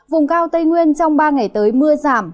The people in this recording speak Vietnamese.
vùng cao tây nguyên trong ba ngày tới mưa giảm